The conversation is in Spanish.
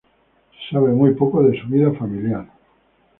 Se sabe muy poco de su vida familiar.